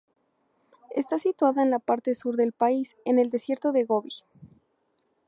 Está situada en la parte sur del país, en el desierto de Gobi.